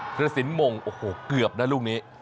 เทศสินมงศ์โอ้โหเกือบนะรูปนี้